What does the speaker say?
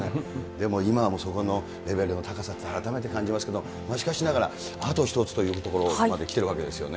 でも、今はそのレベルの高さって、改めて感じますけれども、しかしながらあと一つというところまで来てるんですよね。